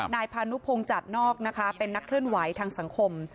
นายพานุพงศ์จัดนอกนะคะเป็นนักเคลื่อนไหวทางสังคม